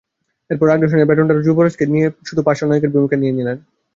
এরপর আগ্রাসনের ব্যাটনটা যুবরাজকে দিয়ে নিজে শুধু পার্শ্ব নায়কের ভূমিকা নিয়ে নিলেন।